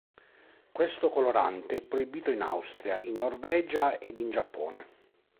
Questo colorante è proibito in Austria, in Norvegia ed in Giappone.